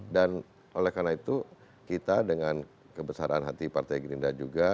dan oleh karena itu kita dengan kebesaran hati partai gerindra juga